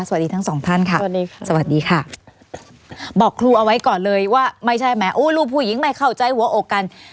สวัสดีทั้งสองท่านค่ะบอกครูเอาไว้ก่อนเลยว่าไม่ใช่แม้ลูกผู้หญิงไม่เข้าใจหัวโอกกัน